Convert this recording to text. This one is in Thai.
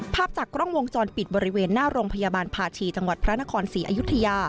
ภาพจากกล้องวงจรปิดบริเวณหน้าโรงพยาบาลภาชีจังหวัดพระนครศรีอยุธยา